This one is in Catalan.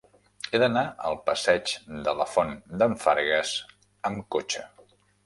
He d'anar al passeig de la Font d'en Fargues amb cotxe.